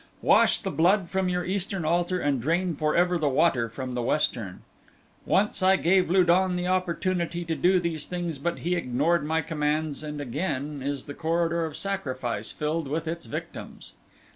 Wash the blood from your eastern altar and drain forever the water from the western. "Once I gave Lu don the opportunity to do these things but he ignored my commands, and again is the corridor of sacrifice filled with its victims.